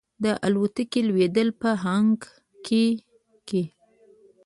د الوتکې لوېدل په هانګ کې کې.